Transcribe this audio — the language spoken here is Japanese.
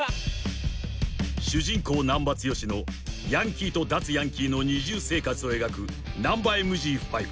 ［主人公難破剛のヤンキーと脱ヤンキーの二重生活を描く『ナンバＭＧ５』］